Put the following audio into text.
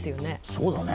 そうだね。